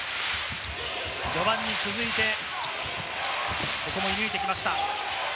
序盤に続いて、ここも、いぬいてきました。